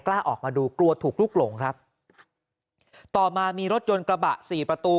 กล้าออกมาดูกลัวถูกลุกหลงครับต่อมามีรถยนต์กระบะสี่ประตู